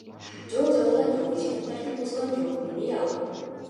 Жол жабылган жок, эч ким тартип бузган жок, — деди ал.